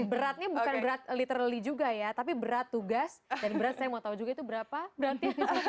beratnya bukan berat literally juga ya tapi berat tugas dan berat saya mau tahu juga itu berapa berarti